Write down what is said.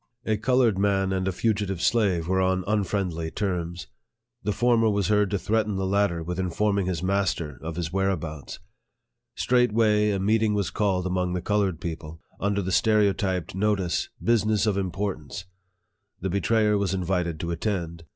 A colored man and a fugitive slave were on unfriendly terms. The former was heard to threaten the latter with in forming his master of his whereabouts. Straightway a meeting was called among the colored people, under the stereotyped notice, " Business of importance !" The betrayer was invited to attend.